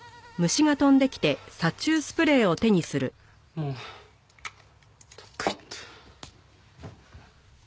もうどっか行った。